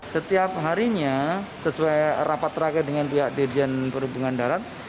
seharinya sesuai rapat terakhir dengan pihak dirijen perhubungan darat